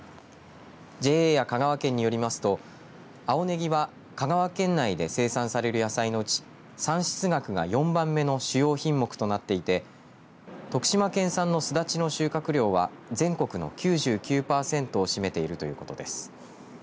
ＪＡや香川県によりますと青ねぎは香川県内で生産される野菜のうち産出額が４番目の主要品目となっていて徳島県産のすだちの収穫量は全国の９９パーセントを占めているということです。